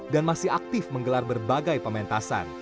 dan masih aktif menggelar berbagai pementasan